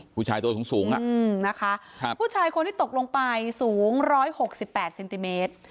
ผู้ชายตัวสูงสูงอ่ะอืมนะคะครับผู้ชายคนที่ตกลงไปสูงร้อยหกสิบแปดเซนติเมตร